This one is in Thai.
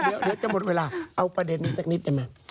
เดี๋ยวจะหมดเวลาเอาประเด็นนี้สักนิดได้ไหม